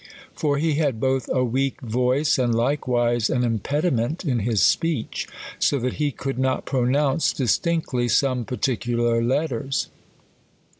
For he had both a weak voice, and likewise an impediment in his speech, so that lie could not pronounce distinctly some particular letters.